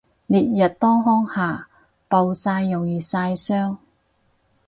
烈日當空下暴曬容易曬傷